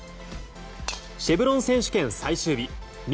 シェブロン選手権最終日。